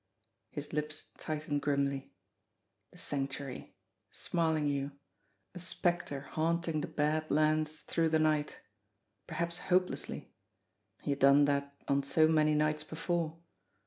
His lips tightened grimly. The Sanctuary Smarlinghue a spectre haunting the Bad Lands through the night ! Per haps hopelessly ! He had done that on so many nights before.